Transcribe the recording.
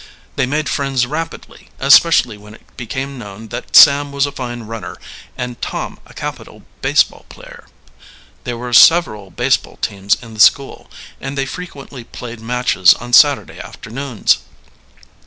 They made friends rapidly, especially when it became known that Sam was a fine runner and Tom a capital baseball player. There were several baseball teams in the school, and they frequently played matches on Saturday afternoons.